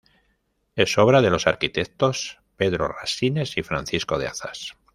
Es obra de los arquitectos Pedro Rasines y Francisco de Hazas.